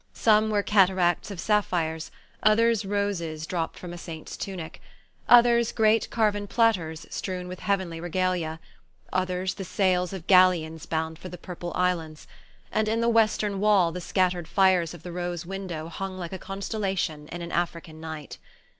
Some were cataracts of sapphires, others roses dropped from a saint's tunic, others great carven platters strewn with heavenly regalia, others the sails of galleons bound for the Purple Islands; and in the western wall the scattered fires of the rose window hung like a constellation in an African night.